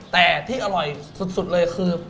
แต่ที่อร่อยสุดเลยคือ